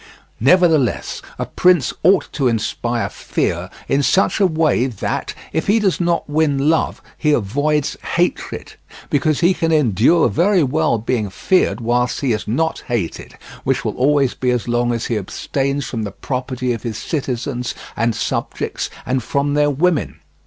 Nevertheless a prince ought to inspire fear in such a way that, if he does not win love, he avoids hatred; because he can endure very well being feared whilst he is not hated, which will always be as long as he abstains from the property of his citizens and subjects and from their women.